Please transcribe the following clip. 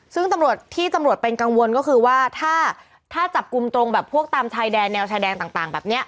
ซึ่งตำรวจที่ตำรวจเป็นกังวลก็คือว่าถ้าจับกลุ่มตรงแบบพวกตามชายแดนแนวชายแดนต่างแบบนี้